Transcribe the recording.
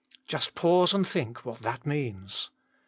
Just pause and think what that means.